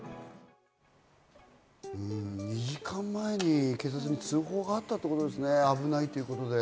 ２時間前に警察に通報があったということですね、危ないということで。